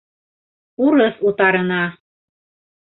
Урыҫ утарына!